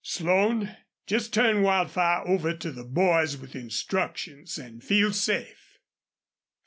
... Slone, just turn Wildfire over to the boys with instructions, an' feel safe."